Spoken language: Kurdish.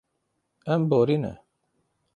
Em borîne.